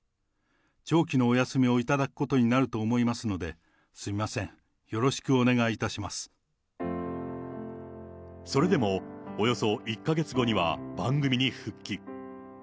長期のお休みを頂くことになると思いますので、すみません、よろそれでも、およそ１か月後には番組に復帰。